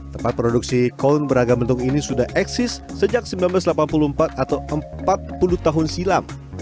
tempat produksi koin beragam bentuk ini sudah eksis sejak seribu sembilan ratus delapan puluh empat atau empat puluh tahun silam